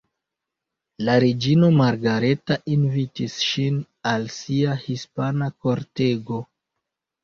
La reĝino Margareta invitis ŝin al sia hispana kortego.